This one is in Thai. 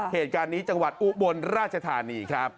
เหตุการณ์นี้จังหวัดอุบลราชธานีครับ